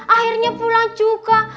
akhirnya pulang juga